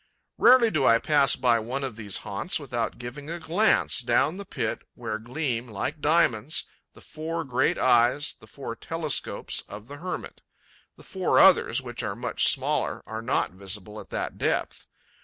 Rarely do I pass by one of these haunts without giving a glance down the pit where gleam, like diamonds, the four great eyes, the four telescopes, of the hermit. The four others, which are much smaller, are not visible at that depth.